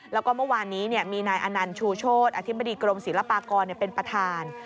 แล้วก็เมื่อวานนี้มีนายอนันต์ชูโชธอธิบดีกรมศิลปากรเป็นประธาน